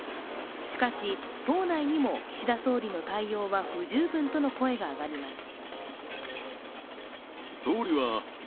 しかし党内にも岸田総理の対応は不十分との声が上がります。